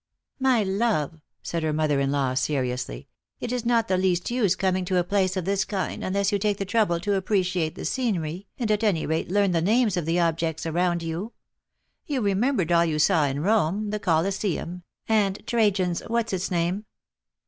" My love," said her mother in law seriously, " it is not the least use coming to a place of this kind unless you take the trouble to appreciate the scenery, and at any rate learn the names of the objects around you. You remembered all you saw in Rome — the Colisseum, and Trajan's what's its name."